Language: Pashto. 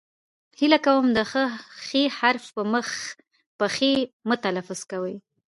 هیله کوم د ښ حرف په خ مه تلفظ کوئ.!